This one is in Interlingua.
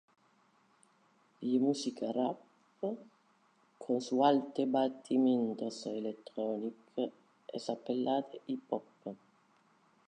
Ille musica rap, con su alte battimentos electronic, es appellate hip-hop.